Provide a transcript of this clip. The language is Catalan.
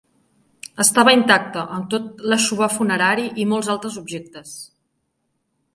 Estava intacta, amb tot l'aixovar funerari i molts altres objectes.